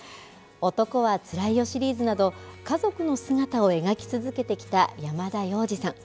男はつらいよシリーズなど家族の姿を描き続けてきた山田洋次さん。